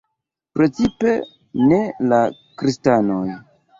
Precipe ne la kristanoj.